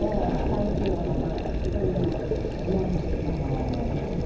最近はだからそういうの思いますね